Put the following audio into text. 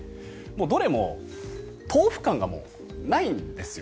どれも豆腐感がないんですよ。